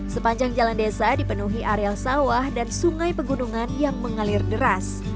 sepanjang jalan desa dipenuhi areal sawah dan sungai pegunungan yang mengalir deras